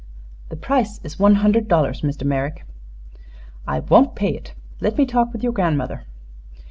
"The price is one hundred dollars, Mr. Merrick." "I won't pay it. Let me talk with your grandmother."